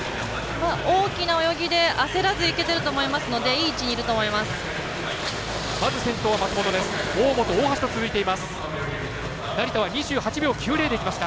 大きな泳ぎで焦らずいけてると思いますのでいい位置にいると思います。